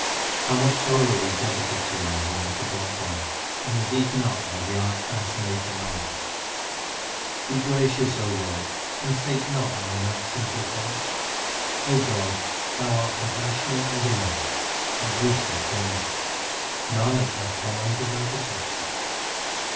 How much sorrow was debited to me when I forgot God and was eaten up by the arch fascinator mammon \ Be gracious, O Lord, and take not mine acts into account. O God, Thou art compassionate and benign, an ocean of clemency ; Nanak hath come under Thy protection.